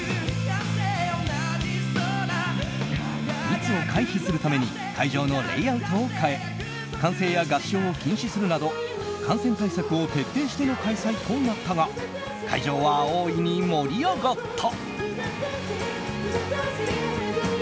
密を回避するために会場のレイアウトを変え歓声や合唱を禁止するなど感染対策を徹底しての開催となったが会場は大いに盛り上がった。